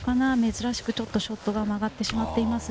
珍しくちょっとショットが曲がってしまっています。